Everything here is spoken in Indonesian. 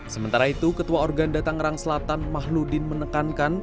sementara itu ketua organda tangerang selatan mahludin menekankan